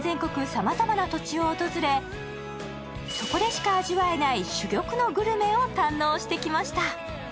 様々な土地を訪れそこでしか味わえない珠玉のグルメを堪能してきました